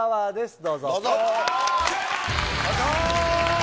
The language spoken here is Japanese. どうぞ。